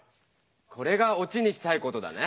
これが「落ち」にしたいことだね。